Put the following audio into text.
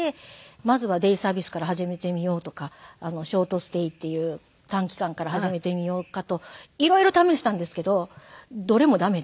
まずはデイサービスから始めてみようとかショートステイっていう短期間から始めてみようかと色々試したんですけどどれも駄目で。